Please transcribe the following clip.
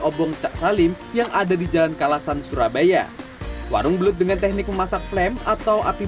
obong cak salim yang ada di jalan kalasan surabaya warung belut dengan teknik memasak flam atau api